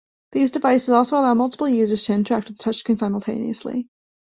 These devices also allow multiple users to interact with the touchscreen simultaneously.